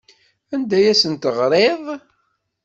Anda ay asen-teɣriḍ?